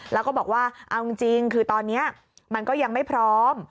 แล้วก็บอกว่าเอาจริงคือตอนนี้มันก็ยังไม่พร้อม